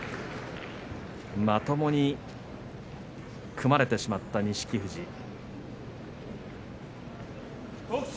まともに組まれてしまった錦富士。